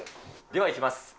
ではいきます。